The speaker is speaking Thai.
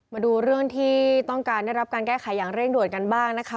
มาดูเรื่องที่ต้องการได้รับการแก้ไขอย่างเร่งด่วนกันบ้างนะคะ